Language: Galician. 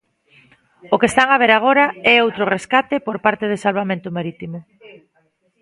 O que están a ver agora é outro rescate por parte de Salvamento Marítimo.